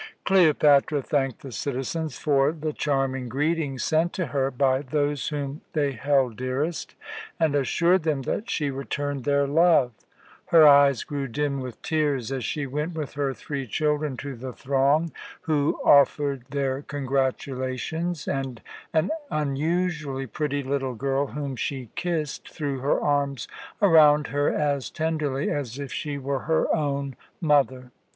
Cleopatra thanked the citizens for the charming greeting sent to her by those whom they held dearest, and assured them that she returned their love. Her eyes grew dim with tears as she went with her three children to the throng who offered their congratulations, and an unusually pretty little girl whom she kissed threw her arms around her as tenderly as if she were her own mother.